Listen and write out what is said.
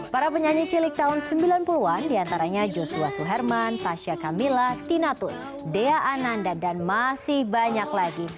para penyanyi cilik tahun sembilan puluh an diantaranya joshua suherman tasha kamila tinatun dea ananda dan masih banyak lagi